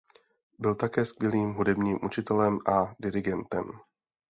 Byl také skvělým hudebním učitelem a dirigentem.